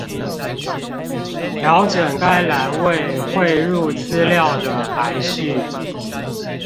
調整該欄位匯入資料的排序